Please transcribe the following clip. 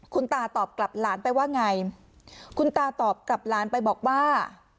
คุณตาตอบกลับหลานไปว่าไงคุณตาตอบกับหลานไปบอกว่า